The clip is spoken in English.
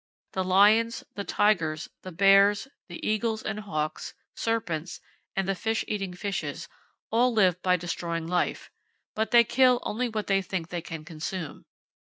The lions, the tigers, the bears, the eagles and hawks, serpents, and the fish eating fishes, all live by destroying life; but they kill only what they think they can consume.